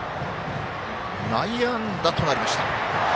内野安打となりました。